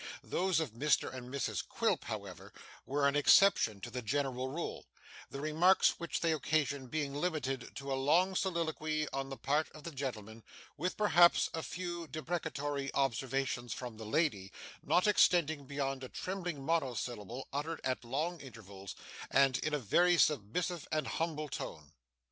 Those of Mr and Mrs Quilp, however, were an exception to the general rule; the remarks which they occasioned being limited to a long soliloquy on the part of the gentleman, with perhaps a few deprecatory observations from the lady, not extending beyond a trembling monosyllable uttered at long intervals, and in a very submissive and humble tone.